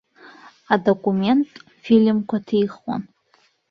Адокументтә фильмқәа ҭихуан.